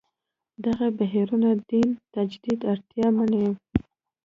دغه بهیرونه دین تجدید اړتیا مني.